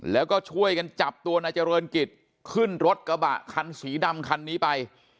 แล้วก็ช่วยกันจับตัวนายเจริญกิจขึ้นรถกระบะคันสีดำคันนี้ไป